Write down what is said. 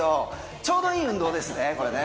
ちょうどいい運動ですね。